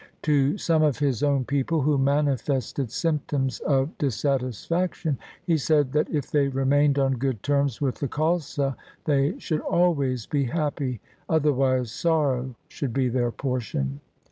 To some of his own people who manifested symptoms of dissatis faction, he said that if they remained on good terms with the Khalsa, they should always be happy ; otherwise sorrow should be their portion.